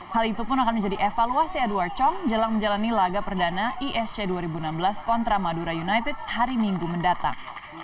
hal itu pun akan menjadi evaluasi edward chong jelang menjalani laga perdana isc dua ribu enam belas kontra madura united hari minggu mendatang